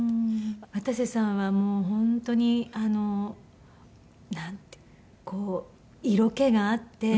渡瀬さんはもう本当になんてこう色気があって。